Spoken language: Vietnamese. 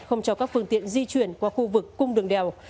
không cho các phương tiện di chuyển qua khu vực cung đường đèo